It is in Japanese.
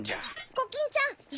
コキンちゃんい